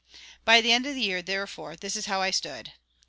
By the end of the year, therefore, this is how I stood.